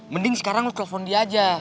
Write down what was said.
mending sekarang lo telfon dia aja